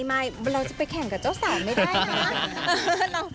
ไม่เราจะไปแข่งกับเจ้าสาวไม่ได้นะ